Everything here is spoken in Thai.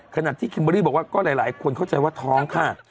ขณะที่คิมเบอร์รี่บอกว่าก็หลายคนเข้าใจว่าท้องค่ะ